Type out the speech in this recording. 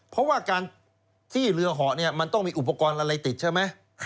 เพราะว่าการที่เรือเหาะเนี่ยมันต้องมีอุปกรณ์อะไรติดใช่ไหม